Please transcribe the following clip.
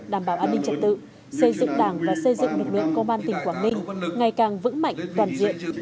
đảm bảo an ninh trật tự xây dựng đảng và xây dựng lực lượng công an tỉnh quảng ninh ngày càng vững mạnh toàn diện